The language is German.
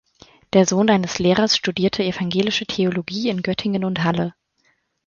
Der Sohn eines Lehrers studierte evangelische Theologie in Göttingen und Halle.